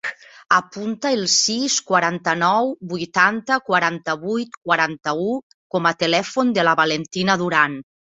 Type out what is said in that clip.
Apunta el sis, quaranta-nou, vuitanta, quaranta-vuit, quaranta-u com a telèfon de la Valentina Duran.